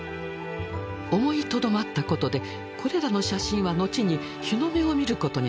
思いとどまったことでこれらの写真は後に日の目を見ることになります。